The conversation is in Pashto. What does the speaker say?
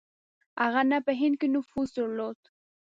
هغه نه په هند کې نفوذ درلود.